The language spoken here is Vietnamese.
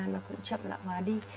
nó cũng chậm lão hóa đi